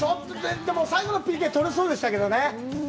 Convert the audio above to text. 最後のＰＫ、取れそうでしたけどね。